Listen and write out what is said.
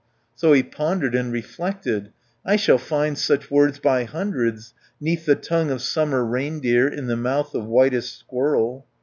So he pondered and reflected, "I shall find such words by hundreds, 'Neath the tongue of summer reindeer, In the mouth of whitest squirrel."